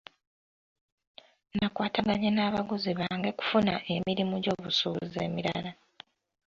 Nakwataganye n'abaguzi bange kufuna emirimu gy'obusuubuzi emirala.